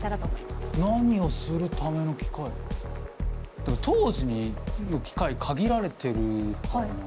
でも当時の機械限られてるからな。